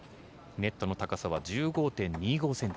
ネットの高さは１５．２５ｃｍ。